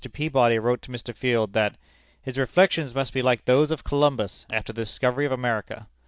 Peabody wrote to Mr. Field that "his reflections must be like those of Columbus, after the discovery of America."